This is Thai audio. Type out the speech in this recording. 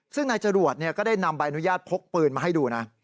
ซึ่งนายจรวดก็ได้นำใบอนุญาตพกปืนมาให้ดูนะ